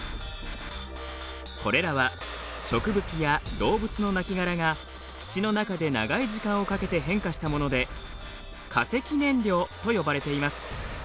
これらは植物や動物のなきがらが土の中で長い時間をかけて変化したもので化石燃料と呼ばれています。